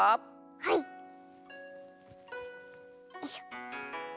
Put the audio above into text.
はい！よいしょ。